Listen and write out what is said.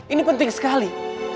ini penting sekali